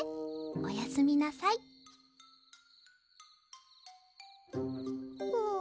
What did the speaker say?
おやすみなさいぷん。